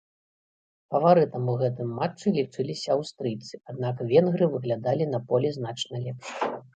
Фаварытам у гэтым матчы лічыліся аўстрыйцы, аднак венгры выглядалі на полі значна лепш.